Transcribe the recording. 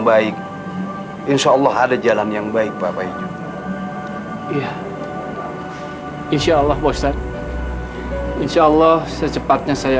baik insyaallah ada jalan yang baik pak faizul iya insyaallah ustadz insyaallah secepatnya saya